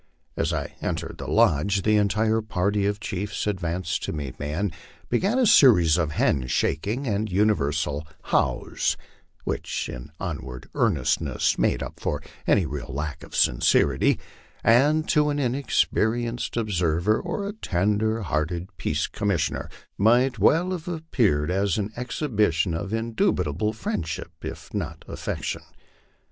As I entered the lodge the entire party of chiefs advanced to meet me, and began a series of hand shaking and universal " Hows," which in outward earnestness made up for any lack of real sincerity, and to an inexperienced observer or a tender hearted peace commissioner might well have appeared as an exhibition of indubitable friendship if not affection.